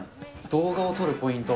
動画を撮るポイント。